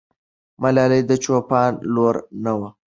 ملالۍ د چوپان لور نه وه.